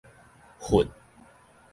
楦